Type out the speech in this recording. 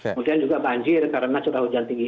kemudian juga banjir karena curah hujan tinggi